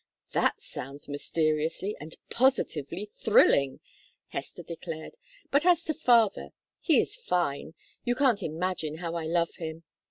"That sounds mysterious, and positively thrilling," Hester declared. "But as to father, he is fine you can't imagine how I love him!"